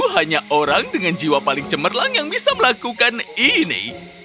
hanya orang dengan jiwa paling cemerlang yang bisa melakukan ini